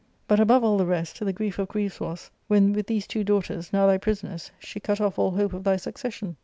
But, above all the rest, the grief of griefs was, when with these two daughters, now thy prisoners, she cut oflf all hope of thy succession.